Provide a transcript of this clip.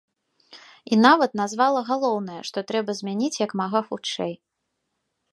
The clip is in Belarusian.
І нават назвала галоўнае, што трэба змяніць як мага хутчэй.